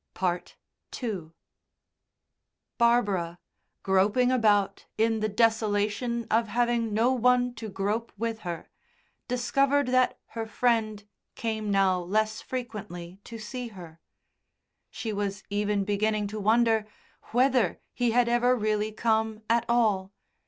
II Barbara, groping about in the desolation of having no one to grope with her, discovered that her Friend came now less frequently to see her. She was even beginning to wonder whether he had ever really come at all.